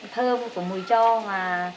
thơm của mùi cho và